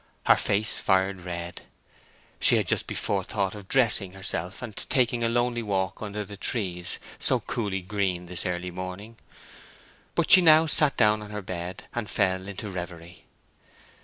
Her face fired red. She had just before thought of dressing herself and taking a lonely walk under the trees, so coolly green this early morning; but she now sat down on her bed and fell into reverie.